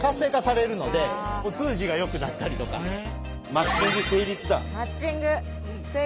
マッチング成立だ。